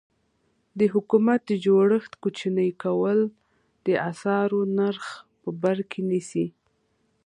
د حکومت د جوړښت کوچني کول د اسعارو نرخ بر کې نیسي.